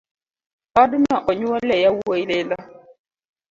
Odno onyuole yawuoi lilo